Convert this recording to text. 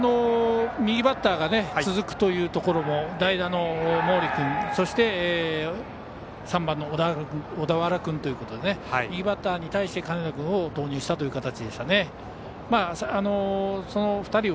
右バッターが続くというところも代打の毛利君、そして３番の小田原君ということでいいバッターに対して金田君を投入したという形でしたね。